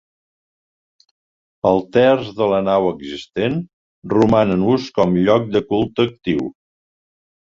El terç de la nau existent roman en ús com lloc de culte actiu.